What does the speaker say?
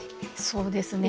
そうですね。